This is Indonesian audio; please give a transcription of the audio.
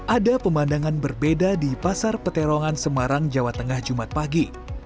ada pemandangan berbeda di pasar peterongan semarang jawa tengah jumat pagi